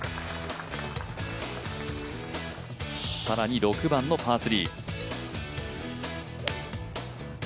更に６番のパー３。